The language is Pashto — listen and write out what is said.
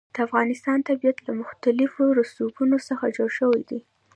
د افغانستان طبیعت له مختلفو رسوبونو څخه جوړ شوی دی.